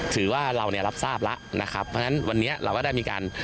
ถือว่าเราเนี่ยรับทราบแล้วนะครับเพราะฉะนั้นวันนี้เราก็ได้มีการ